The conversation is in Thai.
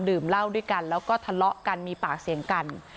เหล้าด้วยกันแล้วก็ทะเลาะกันมีปากเสียงกัน